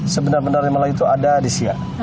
sebenarnya melayu itu ada di syekh